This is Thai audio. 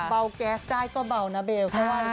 เบาแก๊สได้ก็เบานะเบล